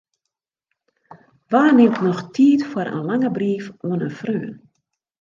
Wa nimt noch tiid foar in lange brief oan in freon?